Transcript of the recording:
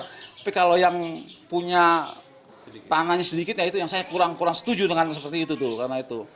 tapi kalau yang punya tangannya sedikit ya itu yang saya kurang kurang setuju dengan seperti itu tuh karena itu